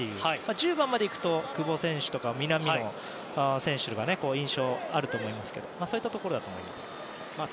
１０番までいくと久保選手とか南野選手が印象があると思いますけどそういったところだと思います。